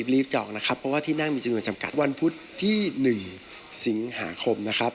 รีบจะออกนะครับเพราะว่าที่นั่งมีจำนวนจำกัดวันพุธที่๑สิงหาคมนะครับ